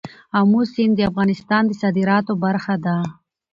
آمو سیند د افغانستان د صادراتو برخه ده.